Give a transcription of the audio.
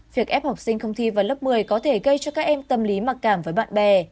việc ép học sinh không thi vào lớp một mươi có thể gây cho các em tâm lý mặc cảm với bạn bè